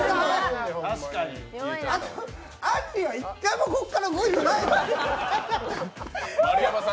あんりは一歩もここから動いてない。